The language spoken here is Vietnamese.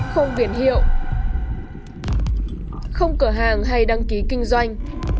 không biển hiệu không cửa hàng hay đăng ký kinh doanh